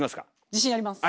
自信あります。